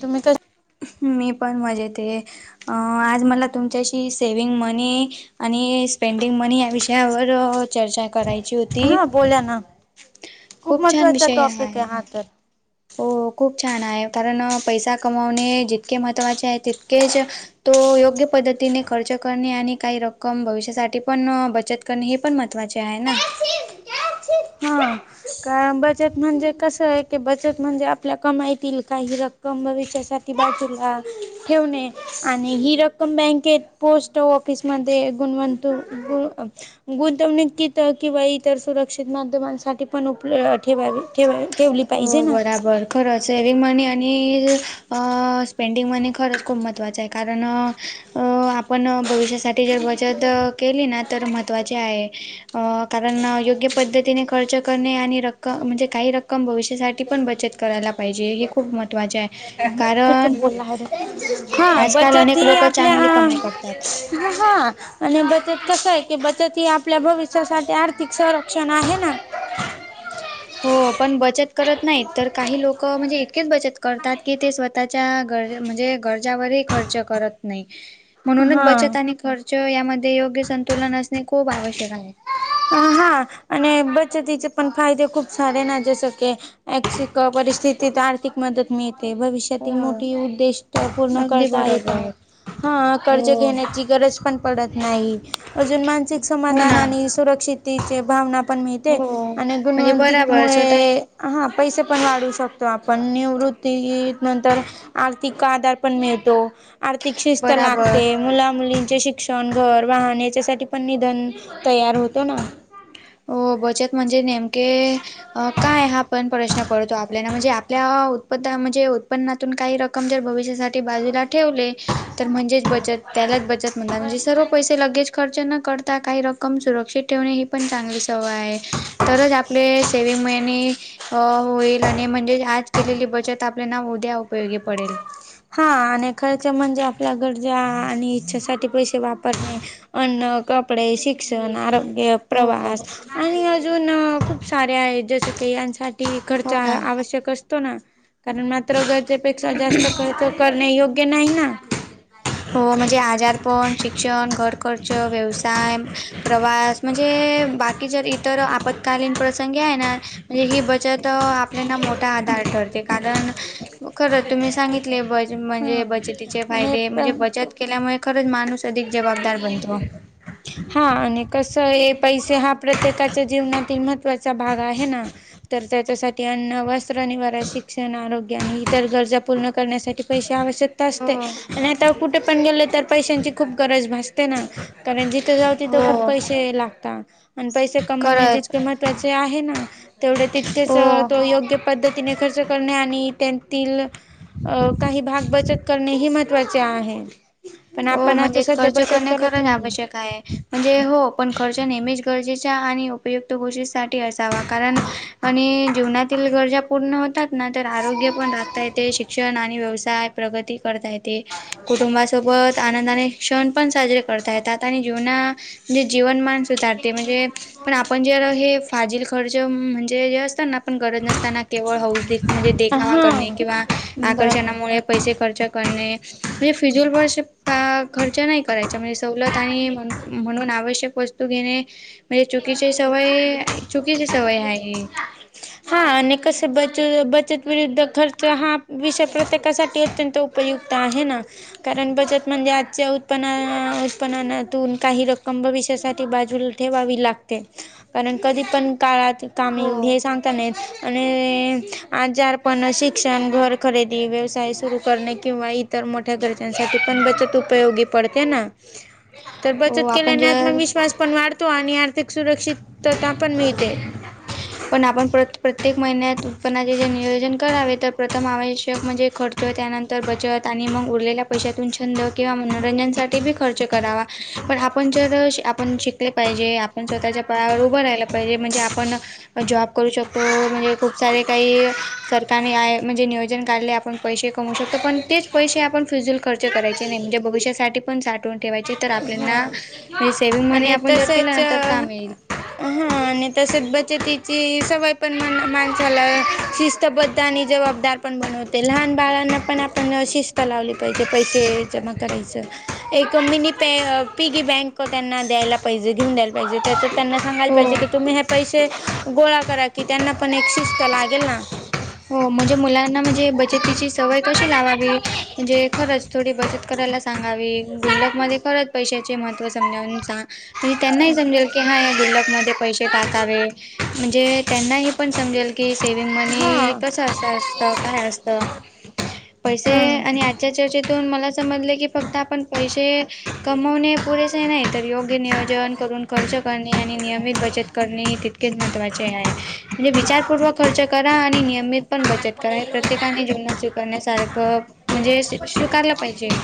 तुम्ही मी पण मजेतये आज मला तुमच्याशी सेविंग मनी आणि स्पेंडिंग मनी या विषयावर चर्चा करायची होती. हा बोला तीप ना खूप छान विषय हा आहे. हो खूप छान आहे कारण पैसा कमवणे जितके महत्त्वाचे आहे तितकेच तो योग्य पद्धतीने खर्च करणे आणि काही रक्कम भविष्यासाठी पण बचत कारण हे पण महत्वाचे आहे ना. का बचत म्हणजे कसं आहे की बचत म्हणजे आपल्या कमाईतील काही रक् कम भविष्यासाठी बाजूला ठेवणे. आणि ही रक्कम बँकेत, पोस्ट ऑफिसमध्ये गुणवंतू गुंतवणूकीत किंवा इतर सुरक्षित माध्यमांसाठी पण उपलब् ठेवा ठेवा ठेवली हो पाहिजे ना बराबर खरं सेविंग मनी आणि अ स्पेंडिंग मनी खरंच खूप महत्त्वाचं आहे कारण अ अं आपण भविष्यासाठी जर बचत केली ना तर महत्त्वाची आहे. अ कारण योग्य पद्धतीने खर्च करणे आणि रक्क म्हणजे काही रक्क [inaudible] हे खूप महत्त्वाचे आहे कारण हा आजकाल बचत अनेक ही लोक आपल्या चांगली कमाई करतात हा आणि बचत कस आहे की बचत ही आपल्या भविष्यासाठी आर्थिक संरक्षण आहे. ना हो पण बचत करत नाहीत तर काही लोक म्हणजे इतकेच बचत करतात की ते स्वतः च्या गर म्हणजे गरजावरही खर्च करत नाही. म्हणूनच हा बचत आणि खर्च यामध्ये योग्य संतुलन असणे खूप आवश्यक आहे. हा आणि बचतीचे पण फायदे खूप सारे ना जस की [unintelligible] परिस्थितीत आर्थिक मदत मिळते भविष्य त्यातील हो मोठी उद्दिष्ट पूर्ण अगदी करता येतात. बरोबर हा हो कर्ज घेण्याची गरज पण पडत नाही अजून मानसिक हो समाधान ना आणि शेतीचे भावना पण मिळते हो आणि म्हणजे बराबर स्वतः गुणवंतिकमुळे हा पैसे पण वाढू शकतो आपण निवृत्ती नंतर आर्थिक आधार पण मिळतो आर्थिक शिस्त बराबर लागते मुला मुलींचे शिक शिक्षण, घर, वाहन याच्यासाठी पण निधन तयार होतो ना. हो बचत म्हणजे नेमके काय हा आपण प्रश्न पडतो आपल्याला म्हणजे आपल्या उत्पन म्हणजे उत्पन्नात तून काही रक्कम जर भविष्यासाठी बाजूला ठेवले तर म्हणजेच बचत त्यालाच बचत म्हणता म्हणजे सर्व पैसे लगेज खर्च न करता काही रकम सुरक्षित ठेवणे पण चांगली सवय आहे तरच आपले सेवीमहिनी अ होईल आणि म्हणजे आज केलेली बचत आपल्याला उद्या उपयोगी पडेल. हा आणि खर्च म्हणजे आपल्या गरजा आणि इच्छेसाठी पैसे वापरणे अन्न, कपडे, शिक्षण, आरोग्य, हो हो प्रवास आणि अजून खूप सारे आहे जसे की यांसाठी खर्च हो ना आवश्यक असत तो ना कारण मात्र गरजेपेक्षा जास्त खर्च करणे योग्य नाही ना. हो म्हणजे आजारपण, शिक्षण, घर खर्च, व्यवसाय, प्रवास म्हणजे बाकी जर इतर आपत्कालीन प्रसंगी आहे ना म्हणजे ही बचत आप आपल्याना मोठा आधार ठरते कारण खरं तुम्ही सांगितले ब म्हणजे हा बच तिचे आणि फायदे प्र म्हणजे बचत केल्यामुळे खरंच माणूस अधिक जबाबदार बनतो. हा आणि कस आहे पैसे हा प्रत्येकाच्या जीवनातील महत्त्वाचा भाग आहे ना तर त्याच्यासाठी अन्न, वस्त्र, निवारा, शिक्षण, आरोग्य आणि इतर गरजा पूर्ण करण्यासाठी पैसे आवश्यक असते हो आणि आता कुठे पण गेल तर पैशांची खूप गरज भासते ना कारण जिथ जाऊ तिथं खूप हो पैसे लागता. आणि पैसे कमवणे खरंच जितके महत्त्वाचे आहे ना तेवढे तितकेच हो तो योग्य पद्धतीने खर्च करणे आणि त्यांतील अ काही भाग बचत करणे हि महत्त्वाचे आहे. पण हो आपण आता म्हणजे सध्या खर्च बचत करणे करत खरच नाही आवश्यक आहे. म्हणजे हो पण खर्च नेहमीच गरजेचा आणि उपयुक्त गोष्टीसाठी असावा कारण आणि जीवनातील गरजा पूर्ण होतात. नंतर आरोग्य पण राखता येते शिक्षण आणि व्यवसाय, प्रगती करता येते, कुंटुंबासोबत आनंदाने क्षण पण साजरे करता येतात आणि जीवना म्हणजे जीवनमान सुधारते म्हणजे पण आपण जे हे फाजील खर्च म्हणजे जे असतात ना पण गरज नसताना केवळ हौस म्हणजे हा देखावा करणे किंवा बरं आकर्षणामुळे पैसे खर्च करणे मी फिजूल पैसे खर्च नाही करायच म्हणजे सवलत आहे म्हणून आवश्यक वस्तू घेणे म्हणजे चुकीची सवय चुकीची सवय आहे ही. हा आणि कसे बच बचत विरुद्ध खर्च हा विषय प्रत्येकासाठी अत्यंत उपयुक्त आहे ना. कारण बचत म्हणजे आजच्या उतपना उत्पन्नातून काही रक्कम भविष्यासाठी बाजूला ठेवावी लागते कारण कधी पण काळात कामी हो येईल हे सांगता नाही येत. आणि आजारपण, शिक्षण, घर खरेदी, व्यवसाय सुरू करणे किंवा इ तर मोठ्या गरजांसाठी पण बचत उपयोगी पडते ना. तर हो बचत आपण केल्याने जर आत्मविश्वास पण वाढतो आणि आर्थिक सुरक्षितता पण मिळते. पण आपण प्रत प्रत्येक महिन्यात उत्पन्नाचे जे नियोजन करावे तर प्रथम आवश्यक म्हणजे खर्च ज त्यानंतर बचत आणि मग उरलेल्या पैशातून छंद किंवा मनोरंजनसाठी बी खर्च करावा. पण आपण जर आपण शिकले पाहिजे, आपण स्वतःच्या पायावर उभं राहिलं पाहिजे म्हणजे आपण जॉब करू शकतो म्हणजे खूप सारे काही सरकारने आहे म्हणजे नियोजन काढले आ पण पैसे कमवु शकतो पण तेच पैसे आपण फिजुल खर्च करायचे नाही म्हणजे भविष्यासाठी पण साठवून ठेवायचे तर आपल्याना म्हणजे सेव्हंग मनी आणि आपण जर केलं तसंच ना तर कामी येईल. हा आणि तसेच बचतीची सवय पण मा माणसाला शिस्त स्तबद्ध आणि जबाबदार पण बनवते लहान बाळांना पण आपण शिस्त लावली पाहिजे पैसे जमा करायच एक मिनी पे पिगी बँक त्यांना द्यायला पाहिजे घेऊन द्यायला पाहिजे त्यांना सांगायला पाहिजे हो की तुम्ही हे पैसे गोळा करा की त्यांना पण एक शि स्त लागेल ना. हो म्हणजे मुलांना म्हणजे बचतीची सवय कशी लावावी म्हणजे खरंच. थोडी बचत करायला सांगावी गुल्लकमध्ये खरंच पैशाचे महत्त्व समजावून सां म्हणजे त्यांनाही समजेल की हा या गुल्लक मध्ये पैसे टाकावे म्हणजे त्यांनाही पण समजेल की सेविंग हा मनी कसं असं असतं काय असत. पैसे हा आणि आजच्या चर्चेतून मला समजलं की फक्त आपण पैसे कमवणे पुरेसे नाही तर योग्य नियोजन करून खर्च करणे आणि नियमित बचत करणे ही तीत केच महत्वाचे आहे, म्हणजे विचारपूर्वक खर्च करा आणि नि यमित पण बचत करा, हे प्रत्येकाने जीवनात स्वीकारण्यासारखं म्हणजे स्वीकारला पाहिजे.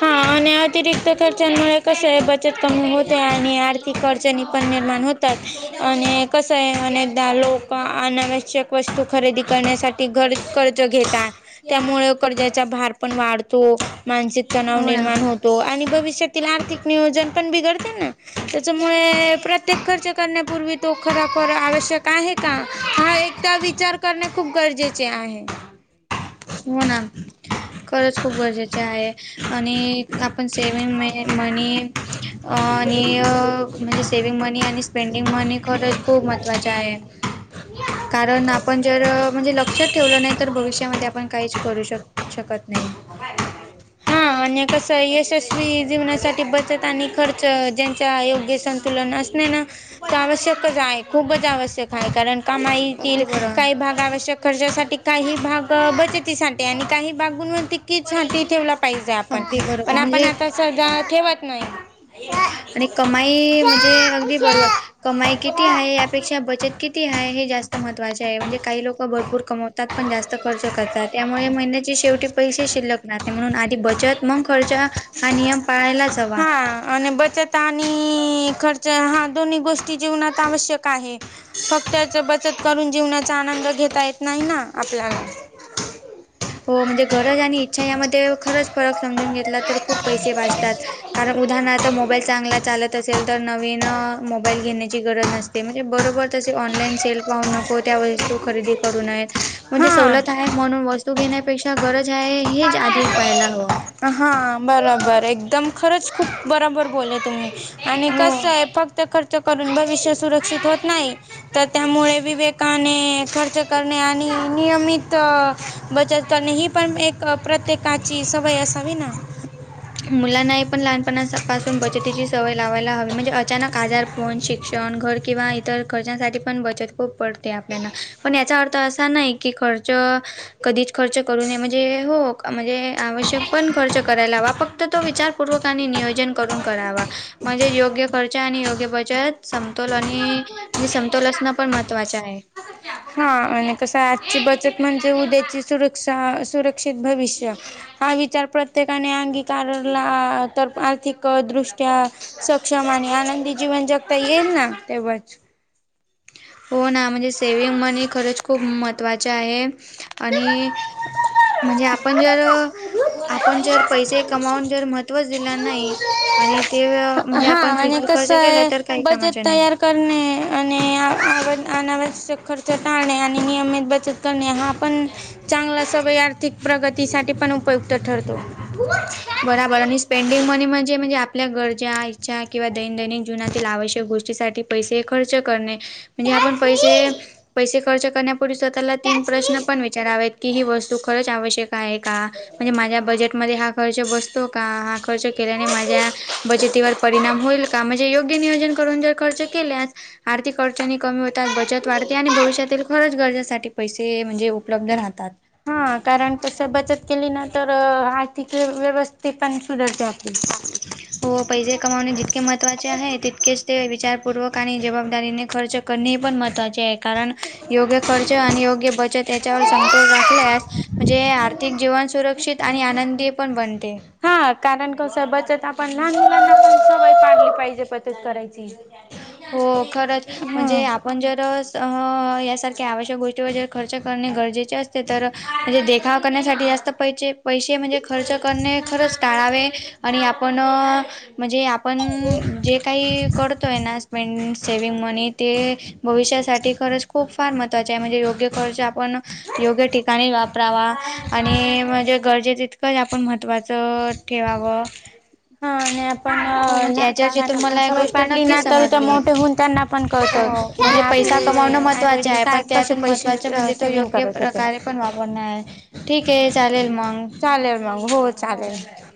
हा आणि अतिरिक्त खर्चांमुळे कस आहे ब चत कमी होते आणि आर्थिक अडचणी पण निर्माण होतात आणि कसं आहे अनेकदा लोक अनावश्यक वस्तू खरेदी करण्यासाठी कर्ज घेतात. त्यामुळे कर्जाचा भार पण वाढतो मानसिक तणाव हो ना निर्माण होतो आणि भविष्यात त आर्थिक नियोजन पण बिघडते ना त्याच्यामुळे प्र त्येक खर्च करण्यापूर्वी तो खराखर आवश्यक आहे का हा एकदा विचार करणे खूप गरजेचे आहे. हो ना खरंच खूप गरजेचं आहे आणि आपण सेविंग मे मनी आणि म्हणजे सेविंग मनी आणि पेंडिंग मनी खरच खूप महत्त्वाचे आहे. कारण आपण जर म्हणजे लक्षात ठेवलं नाही तर भविष्यामध्ये आपण काहीच करू शक शकत नाही. हा आणि कसंय यशस्वी जीवनासाठी बचत आणि खर्च ज्यांच योग्य संतुलन असणे ना आवश्यकच आहे खूपच आवश्यक आहे कारण कामाईतील अगदी बरोबर काही भाग आवश्यक खर्च्यासाठी काही भाग बचतीसाठी आणि काही [unintelligible] ठेवला पाहिजे आपण अगदी बरोबर पण आपण म्हणजे आता सहसा ठेवत नाही. आणि कमाई म्हणजे अगदी बरोबर कमाई किती आहे यापेक्षा बचत किती आहे हे जास्त महत्वाचे आहे. म्हणजे काही लोक भरपूर कमवतात पण जास्त खर्च करतात त्यामुळे महिन्याची शेवटी पैसे शिल्लक नाहीते म्हणून आधी बचत मग खर्च हा नियम पाळायलाच हवा. ह आणि बचत आणि खर्च हा दोन्ही गोष्टी जीवनात आवश्यक आहे. फक्त त्याच बचत करून जीवनाचा आनंद घेता येत नाही ना आपल्याला. हो म्हणजे गरज आणि इच्छा यामध्ये खरंच फरक समजून घेतला तर खूप पैसे वाचतात. कारण उदाहरणार्थ मोबाईल चांगला चालत असेल तर नवीन मोबाईल घेण्याची गरज नस ते म्हणजे बरोबर तसे ऑनलाईन सेल पाहू नको त्या वस्तू खरेदी करू नये. म्हणजे हा. सवलत आहे म्हणून वस्तू घेण्यापेक्षा गरज आहे हेच आधी पहायला हवं. हा बरोबर एकदम खरंच खूप बरोबर बोला तुम्ही आणि कस हो आहे फक्त खर्च करून भविष्य सुरक्षित होत नाही, तर त्यामुळे विवेकाने खर्च करणे आणि नियमित बचत करणे ही पण एक प्रत्येकाची सवय असावी ना. मुलांना हे पण लहानपणापासून बचतीची सवय लावायला हवी म्हणजे अचानक आजारपन शिक्षण घर किंवा इतर खर्चांसाठी पण बचत खूप पडते आपल्याला, पण याचा अर्थ असा नाही की खर्च कधीच खर्च करू नये म्हणजे हो म्हणजे आवश्यक पण खर्च करायला हवा फक् त तो विचारपूर्वका आणि नियोजन करून करावा म्हणजे योग्य खर्च आणि योग्य बचत समतोल आणि म्हणजे समतोल असणं पण महत्वाचे आहे. हा आणि कसं आजची बचत म्हणजे उद्याची सुरक्षा, सुरक्षित भविष्य. हा विचार प्रत्येकाने अंगीकारला तर आर्थिक दृष्ट्या सक्षम आणि आनंदी जीवन जगता येईल ना तेव्हाच. हो ना म्हणजे सेविंग मनी खरंच खूप महत्त्वाचे आहे. आणि म्हणजे आपण जर, आपण जर पैसे कमावून जर म्ह तोच दिला नाही आणि ते अं म्हणजे हा आपण आणि फिजुल खर्च कसं केला आहे तर काही बजेट कामाचा नाही. तयार करणे आणि अना- अनावश्यक खर्च खर्च टाळणे आणि नियमित बचत करणे हा पण चांगला सवय आर्थिक प्रगतीसाठी पण उपयुक्त ठरतो. बराबर आणि स्पेंडिंग मनी म्हणजे म्हणजे आपल्या गरजा, इच्छा किंवा दैनदैनिक जीवनातील आवश्यक गोष्टीसाठी पैसे खर्च करणे म्हणजे आपण पैसे, पैसे खर्च करण्यापूर्वी स्वतःला तीन प्रश्न पण विचारावेत की ही वस्तू खरंच आवश्यक आहे का? म्हणजे माझ्या बजेट मध्ये हा खर्च बसतो का? हा खर्च केल्याने माझ्या बजेटीवर परिणाम होईल का, म्हणजे योग्य योग्य नियोजन करून जर खर्च केल्यास आर्थिक अडचणी कमी होतात, बचत वाढते आणि भविष्यातील खर्च गरजेसाठी पैसे म्हणजे उपलब्ध राहतात. हा कारण तस बचत केली ना तर आर्थिक व्यवस्थेत पण सुधारतात. [inaudible] हो पैसे कमावणे जितके महत्त्वाचे आहे, तितकेच ते विचारपूर्वक आणि जबाबदारीने खर्च करणे पण महत्त्वाचे आहे. कारण योग्य खर्च आणि योग्य बचत याच्यावर समतोल राखल्यास म्हणजे आर्थिक जीवन सुरक्षित आणि आनंदीय पण बनते. हा कारण कसा बचत आपण लहान लहानपणापासून सवय पाडली पाहिजे बचत करायची. [inaudible] हो खरंच म्हणजे आप पण जर अं यासारख्या आवश्यक गोष्टी व जर खर्च करणे गरजेचे असते तर अ म्हणजे देखाव करण्यासाठी जास्त पैसे, पैसे म्हणजे खर्च करणे खरंच टाळावे. आणि आपण अं म्हणजे आपण नं जे काही करतो आहे ना मंग सेविंग मनी ते भविष्यासाठी खरंच खूप फार महत्वाचे आहे, म्हणजे योग्य खर्च आपण योग्य ठिक ठिकणी वापरावा, आणि म्हणजे गरजेच तितकं आपण महत्त्वाचं ठेवावं. हा ना, आपण हो अं म्हणजे लहान याच्या याच्यातून बाळांना पण मला एक सवय गोष्ट पाडली नक्की ना तर त्या समजली मोठे होऊन त्यांना पण कळत. हो क म्हणजे आपले पैसा कमावणं आई- महत्त्वाचं वडील आहे पण काय कसे त्यातून पैसे महत्त्वाचं म्हणजे तो सेविंग योग्य करत होते. प्रकारे पण वापरणं आहे ठीक आहे हं चालेल मग चालेल राव हो चालेल.